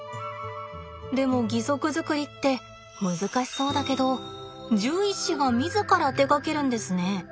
でも義足作りって難しそうだけど獣医師が自ら手がけるんですね。